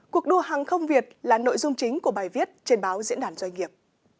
cuộc đua hàng không việt là nội dung chính của bài viết trên báo diễn đàn doanh nghiệp